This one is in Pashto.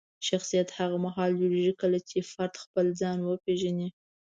شخصیت هغه مهال جوړېږي کله چې فرد خپل ځان وپیژني.